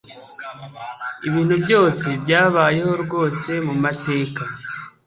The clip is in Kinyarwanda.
ibintu byose byabayeho rwose mu mateka